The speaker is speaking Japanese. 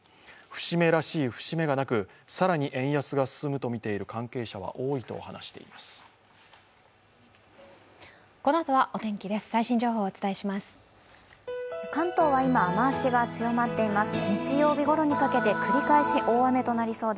節目らしい節目がなく、更に円安が進むとみている関係者は多いと話しています。